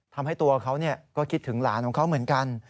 ทำให้ตัวเขาก็คิดถึงหลานของเขาเหมือนกัน